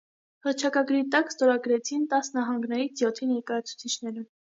Հռչակագրի տակ ստորագրեցին տաս նահանգներից յոթի ներկայացուցիչները։